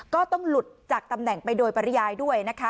ก็ต้องหลุดจากตำแหน่งไปโดยปริยายด้วยนะคะ